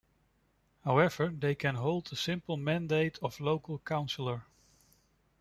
However, they can hold a simple mandate of local councillor.